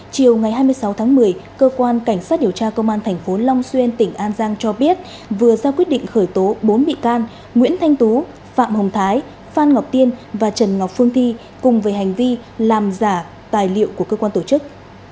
chiều ngày hai mươi sáu tháng một mươi cơ quan cảnh sát điều tra công an tp long xuyên tỉnh an giang cho biết vừa ra quyết định khởi tố bốn bị can nguyễn thanh tú phạm hồng thái phan ngọc tiên và trần ngọc phương thi cùng về hành vi làm giả tài liệu của cơ quan tổ chức